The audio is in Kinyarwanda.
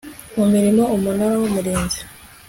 murimo Umunara w Umurinzi